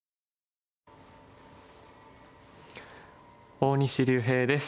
大西竜平です。